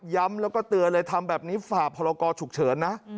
ย้ำแล้วก็เตือนเลยทำแบบนี้ฝากพรกรฉุกเฉินนะ